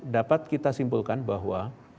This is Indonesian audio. dapat kita simpulkan bahwa